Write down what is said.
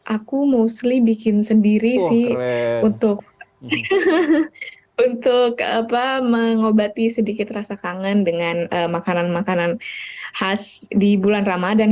aku mostly bikin sendiri sih untuk mengobati sedikit rasa kangen dengan makanan makanan khas di bulan ramadan